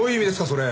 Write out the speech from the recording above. それ。